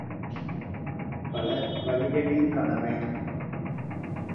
பல வளிகளின் கலவை.